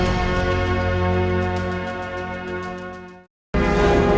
dan pertolong lantai bangsa tersebut